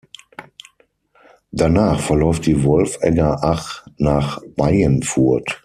Danach verläuft die Wolfegger Ach nach Baienfurt.